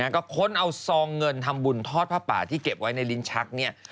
ก็ค้นเอาซองเงินทำบุญทอดผ้าป่าที่เก็บไว้ในลิ้นชักเนี่ย